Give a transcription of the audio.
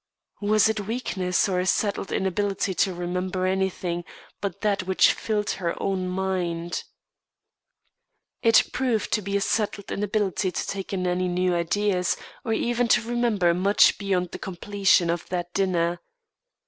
Was it weakness, or a settled inability to remember anything but that which filled her own mind? It proved to be a settled inability to take in any new ideas or even to remember much beyond the completion of that dinner.